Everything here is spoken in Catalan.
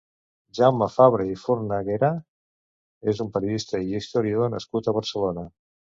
Jaume Fabre i Fornaguera és un periodista i historiador nascut a Barcelona.